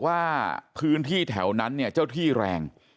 ว่าพื้นที่แถวนั้นเนี่ยเจ้าที่แรง